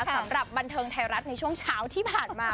สำหรับบันเทิงไทยรัฐในช่วงเช้าที่ผ่านมา